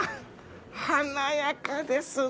華やかですね。